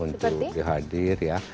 untuk dihadir ya